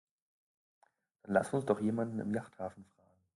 Dann lass uns doch jemanden im Yachthafen fragen.